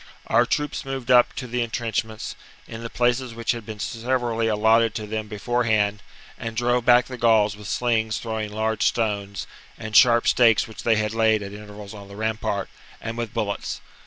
Our troops moved up to the entrenchments, in the places which had been severally allotted to them before hand, and drove back the Gauls with slings throwing large stones ^ and sharp stakes which they had laid (at intervals on the rampart, and with bullets.